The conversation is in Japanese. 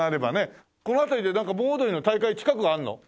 この辺りでなんか盆踊りの大会近くあるの？